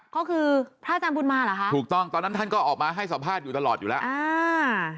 ก็คือพระอาจารย์บุญมาเหรอคะถูกต้องตอนนั้นท่านก็ออกมาให้สัมภาษณ์อยู่ตลอดอยู่แล้วอ่า